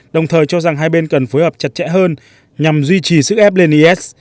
đồng thời cho rằng hai bên cần phối hợp chặt chẽ hơn nhằm duy trì sức ép lên is